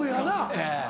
ええ。